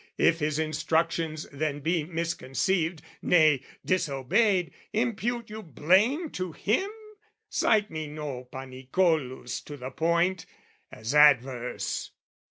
If his instructions then be misconceived, Nay, disobeyed, impute you blame to him? Cite me no Panicollus to the point, As adverse!